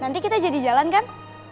nanti kita jadi jalan kan